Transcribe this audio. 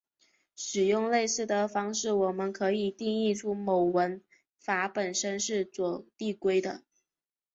使用类似的方式我们可以定义出某文法本身是左递归的。